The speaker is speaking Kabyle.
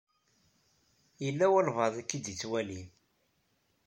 Yella walebɛaḍ i k-id-ittwalin.